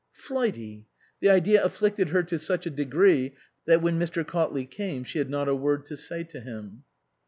Flighty? The idea afflicted her to such a degree that when Dr. Cautley came she had not a word to say to him.